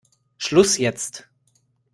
Schluss jetzt!